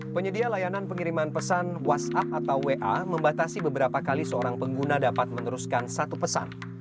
penyedia layanan pengiriman pesan whatsapp atau wa membatasi beberapa kali seorang pengguna dapat meneruskan satu pesan